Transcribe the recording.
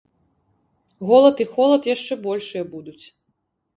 Голад і холад яшчэ большыя будуць.